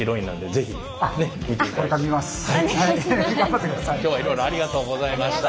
今日はいろいろありがとうございました。